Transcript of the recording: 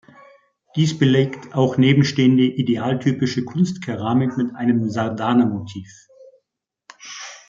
Dies belegt auch nebenstehende idealtypische Kunstkeramik mit einem Sardana-Motiv.